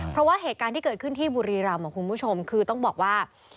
เพราะว่าเหตุการณ์ที่เกิดขึ้นที่บุรีรำคุณผู้ชมคือต้องบอกว่า